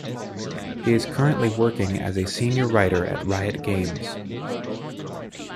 He is currently working as a Senior Writer at Riot Games.